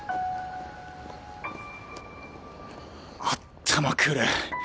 あったまくる。